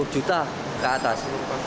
empat puluh juta ke atas